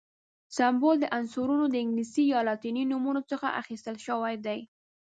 سمبول د عنصرونو د انګلیسي یا لاتیني نومونو څخه اخیستل شوی دی.